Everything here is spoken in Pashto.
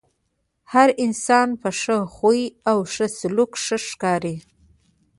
هر انسان په ښۀ خوی او ښۀ سلوک ښۀ ښکاري .